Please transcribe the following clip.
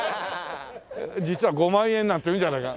実は５万円なんて言うんじゃないか？